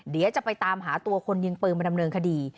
เดี๋ยวจะไปตามหาตัวคนยิงปืนมาดำเนินคดี